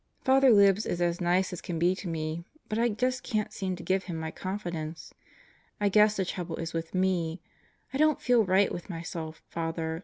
... Father Libs is as nice as can be to me, but I just can't seem to give him my confidence. I guess the trouble is with me. I don't feel right with myself, Father.